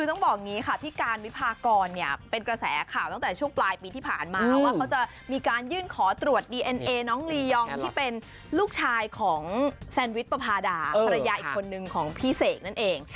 วันนี้กันมากเลยจริง